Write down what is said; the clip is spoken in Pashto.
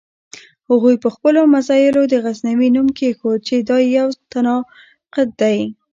هغوی په خپلو مزایلو د غزنوي نوم کېښود چې دا یو تناقض دی.